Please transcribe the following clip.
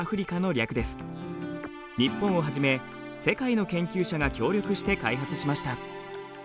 日本をはじめ世界の研究者が協力して開発しました。